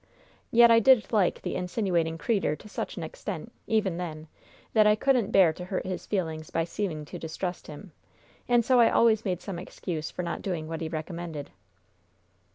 Yet I did like the insiniwating creetur' to such an extent, even then, that I couldn't bear to hurt his feelings by seeming to distrust him, and so I always made some excuse for not doing what he recommended.